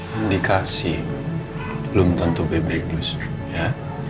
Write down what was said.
yang dikasih belum tentu bebek blus ya